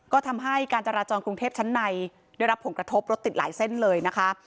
ช่างให้การจาราจองกรุงเทพฯแชนในได้รับผลกระทบลดติดหลายเส้นเลย